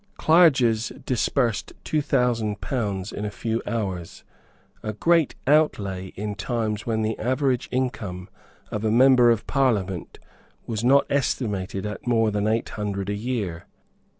Clarges disbursed two thousand pounds in a few hours, a great outlay in times when the average income of a member of Parliament was not estimated at more than eight hundred a year.